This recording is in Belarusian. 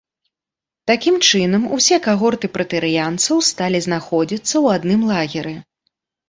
Такім чынам усе кагорты прэтарыянцаў сталі знаходзіцца ў адным лагеры.